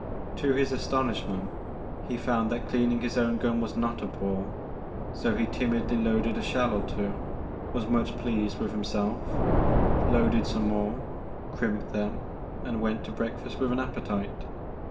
To his astonishment he found that cleaning his own gun was not a bore, so he timidly loaded a shell or two, was much pleased with himself, loaded some more, crimped them, and went to breakfast with an appetite.